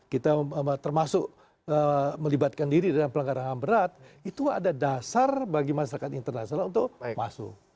kita termasuk melibatkan diri dengan pelanggaran ham berat itu ada dasar bagi masyarakat internasional untuk masuk